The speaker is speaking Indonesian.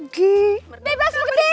gue bisa bebas merdeka pergi